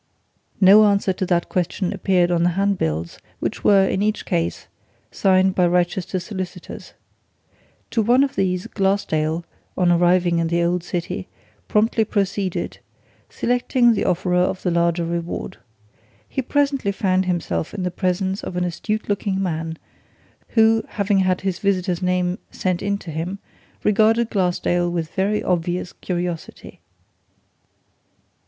no answer to that question appeared on the handbills, which were, in each case, signed by Wrychester solicitors. To one of these Glassdale, on arriving in the old city, promptly proceeded selecting the offerer of the larger reward. He presently found himself in the presence of an astute looking man who, having had his visitor's name sent in to him, regarded Glassdale with very obvious curiosity.